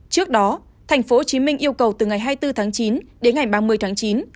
trước đó tp hcm yêu cầu từ ngày hai mươi bốn tháng chín đến ngày ba mươi tháng chín